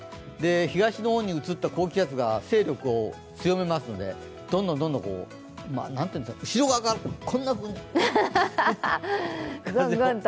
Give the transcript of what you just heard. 東の方に移った高気圧が勢力を強めますので、どんどん後ろ側からこんなふうに。